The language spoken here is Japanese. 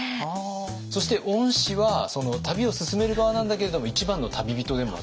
そして御師は旅を勧める側なんだけれども一番の旅人でもあった。